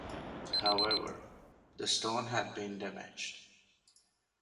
However, the stone had been damaged.